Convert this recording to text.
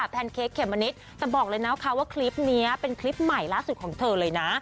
เป็นคลิปใหม่ล่าสุดของเธอเลยนะ